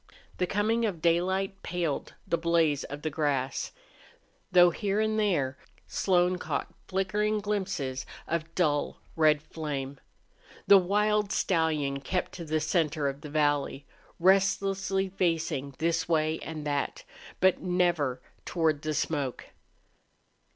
The coming of daylight paled the blaze of the grass, though here and there Slone caught flickering glimpses of dull red flame. The wild stallion kept to the center of the valley, restlessly facing this way and that, but never toward the smoke.